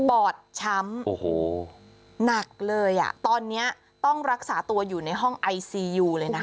บอดช้ำโอ้โหหนักเลยอ่ะตอนนี้ต้องรักษาตัวอยู่ในห้องไอซียูเลยนะคะ